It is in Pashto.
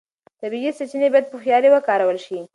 طبیعي سرچینې باید په هوښیارۍ وکارول شي.